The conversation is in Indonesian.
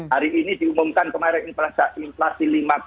hari ini diumumkan kemarin inflasi lima dua ya